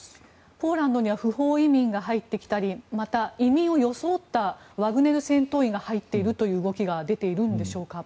ポーランドには不法移民が入ってきたりまた、移民を装ったワグネル戦闘員が入っているという動きが出ているんでしょうか。